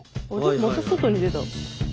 また外に出た。